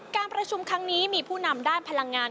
การประชุมครั้งนี้มีผู้นำด้านพลังงาน